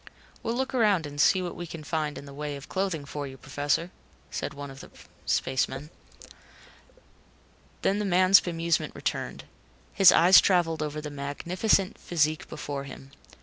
"We'll look around and see what we can find in the way of clothing for you, Professor," one of the spacemen said. Then the man's bemusement returned. His eyes traveled over the magnificent physique before him.